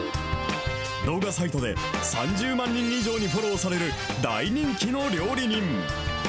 動画サイトで３０万人以上にフォローされる、大人気の料理人。